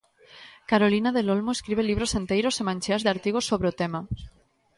Carolina del Olmo escribe libros enteiros e mancheas de artigos sobre o tema.